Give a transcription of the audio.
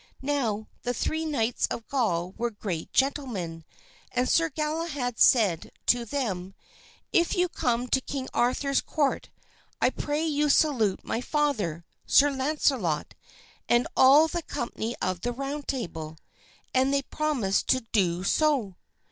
Now, the three knights of Gaul were great gentlemen, and Sir Galahad said to them: "If you come to King Arthur's court I pray you salute my father, Sir Launcelot, and all the company of the Round Table," and they promised to do so.